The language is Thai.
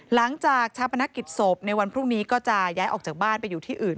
หลังจากชาปนกิจศพในวันพรุ่งนี้ก็จะย้ายออกจากบ้านไปอยู่ที่อื่น